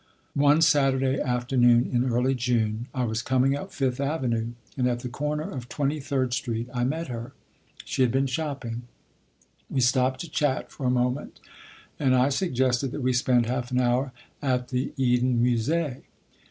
One Saturday afternoon, in early June, I was coming up Fifth Avenue, and at the corner of Twenty third Street I met her. She had been shopping. We stopped to chat for a moment, and I suggested that we spend half an hour at the Eden Musée.